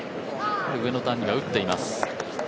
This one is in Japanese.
上の段に打っています。